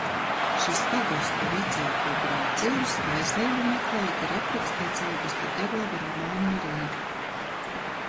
"Šis pagastu vecāko brauciens taisnību meklēt ir aprakstīts Augusta Deglava romānā "Rīga"."